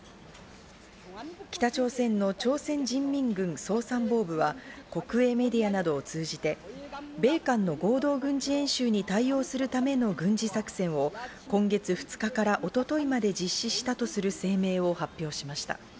北朝鮮の朝鮮人民軍総参謀部は国営メディアなどを通じて米韓の合同軍事演習に対応するための軍事作戦を今月２日から一昨日まで実施したとする声明を発表しました。